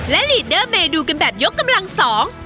และลีดเดอร์เมนูกันแบบยกกำลังสอง